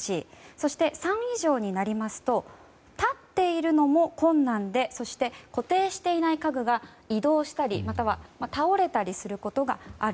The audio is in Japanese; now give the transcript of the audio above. そして３以上になりますと立っているのも困難でそして固定していない家具が移動したりまたは、倒れたりすることがある